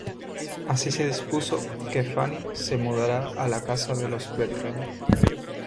Así se dispuso que Fanny se mudara a la casa de los Bertram.